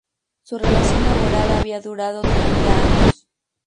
Su relación laboral había durado treinta años.